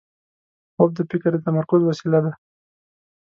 خوب د فکر د تمرکز وسیله ده